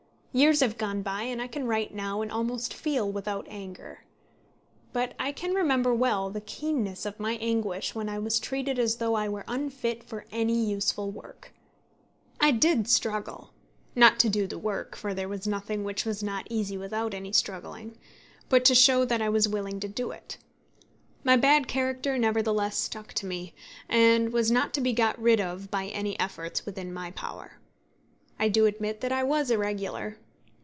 Years have gone by, and I can write now, and almost feel, without anger; but I can remember well the keenness of my anguish when I was treated as though I were unfit for any useful work. I did struggle not to do the work, for there was nothing which was not easy without any struggling but to show that I was willing to do it. My bad character nevertheless stuck to me, and was not to be got rid of by any efforts within my power. I do admit that I was irregular.